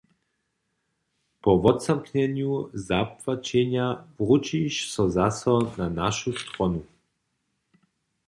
Po wotzamknjenju zapłaćenja wróćiš so zaso na našu stronu.